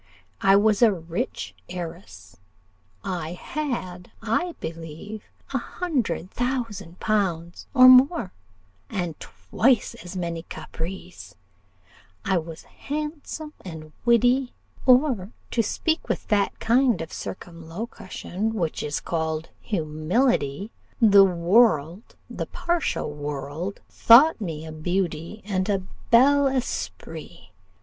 I was a rich heiress I had, I believe, a hundred thousand pounds, or more, and twice as many caprices: I was handsome and witty or, to speak with that kind of circumlocution which is called humility, the world, the partial world, thought me a beauty and a bel esprit.